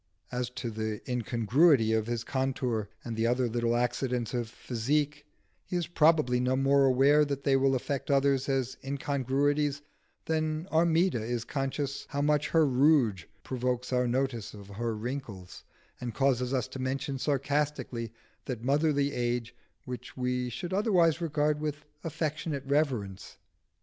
As to the incongruity of his contour and other little accidents of physique, he is probably no more aware that they will affect others as incongruities than Armida is conscious how much her rouge provokes our notice of her wrinkles, and causes us to mention sarcastically that motherly age which we should otherwise regard with affectionate reverence.